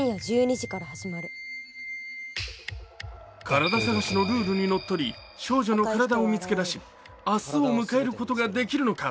「カラダ探し」のルールにのっとり少女のカラダを見つけ出し明日を迎えることができるのか。